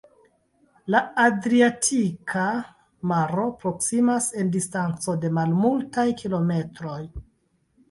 La Adriatika Maro proksimas en distanco de malmultaj kilometroj.